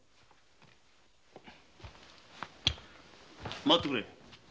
待ってくれ。